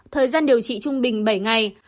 thời gian điều trị trung bình bảy ngày